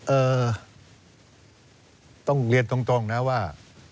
เอ่อต้องเรียนตรงนะว่า